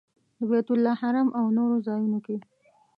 د بیت الله حرم او نورو ځایونو کې.